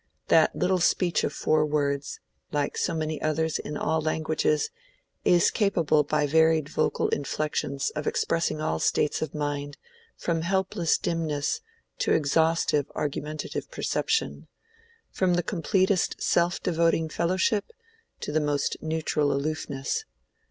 That little speech of four words, like so many others in all languages, is capable by varied vocal inflections of expressing all states of mind from helpless dimness to exhaustive argumentative perception, from the completest self devoting fellowship to the most neutral aloofness.